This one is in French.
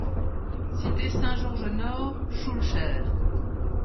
Cité Saint-Georges Nord, Schœlcher